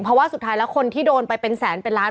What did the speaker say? เพราะว่าสุดท้ายแล้วคนที่โดนไปเป็นแสนเป็นล้าน